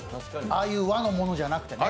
ああいう和のものじゃなくてね。